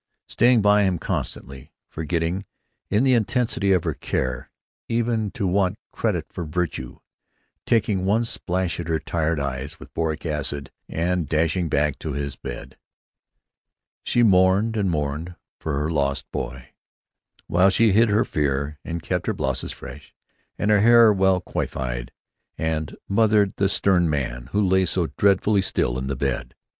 Staying by him constantly, forgetting, in the intensity of her care, even to want credit for virtue, taking one splash at her tired eyes with boric acid and dashing back to his bed, she mourned and mourned for her lost boy, while she hid her fear and kept her blouses fresh and her hair well coiffed, and mothered the stern man who lay so dreadfully still in the bed....